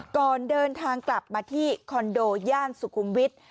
ก่อนเดินทางกลับมาที่คอนโดย่านสุขุมวิทย์